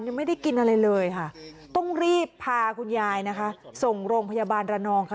ยังไม่ได้กินอะไรเลยค่ะต้องรีบพาคุณยายนะคะส่งโรงพยาบาลระนองค่ะ